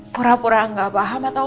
pura pura nggak paham atau